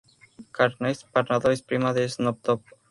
Kaestner-Varnado es prima de Snoop Dogg.